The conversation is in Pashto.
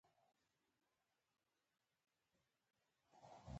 احمده! در وازه در سره وتړه.